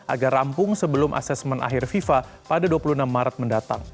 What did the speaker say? agar rampung sebelum asesmen akhir fifa pada dua puluh enam maret mendatang